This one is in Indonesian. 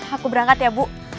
aku berangkat ya bu